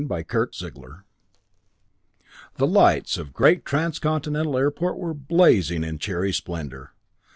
BOOK TWO SOLARITE I The lights of great Transcontinental Airport were blazing in cheering splendor.